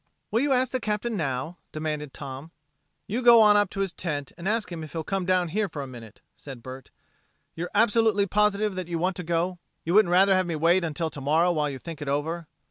"Will you ask the Captain now?" demanded Tom. "You go on up to his tent and ask him if he'll come down here for a minute," said Bert. "You're absolutely positive that you want to go? You wouldn't rather have me wait until tomorrow while you think it over?"